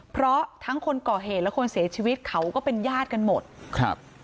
เพราะทั้งคนก่อเหตุและคนเสียชีวิตเขาก็เป็นญาติกันหมดครับ